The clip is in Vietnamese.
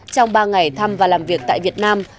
trong ba ngày thăm và làm việc tại việt nam